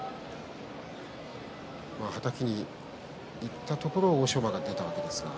はたきにいったところを欧勝馬が出ていきました。